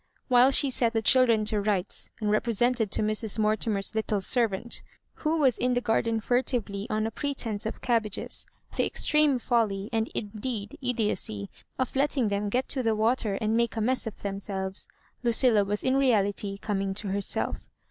While she set the children to rights, and represented to Mrs. Mortimer's little servant, who was in the garden furtively on a pretence of cabbages, the extreme folly, and in deed idiocy, of letting them get to the water and make a mess of themselves, Lucilla was in reality coming to herself.